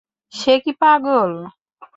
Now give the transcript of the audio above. সে কি পাগল?